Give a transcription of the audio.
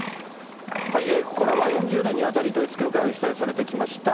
ここからは４０年にわたり統一教会を取材されてきました